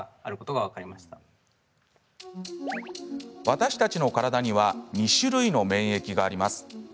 私たちの体には２種類の免疫があります。